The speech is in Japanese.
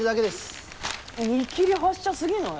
見切り発車すぎない？